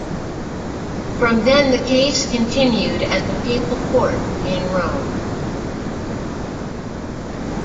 From then the case continued at the papal court in Rome.